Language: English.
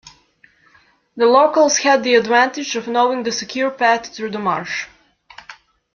The locals had the advantage of knowing the secure path through the marsh.